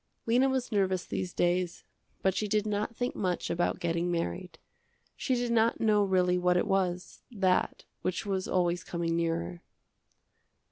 Lena was nervous these days, but she did not think much about getting married. She did not know really what it was, that, which was always coming nearer.